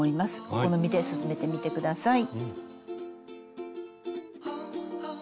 お好みで進めてみてください。